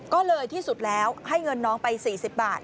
ก็เลยที่สุดแล้วให้เงินน้องไป๔๐บาท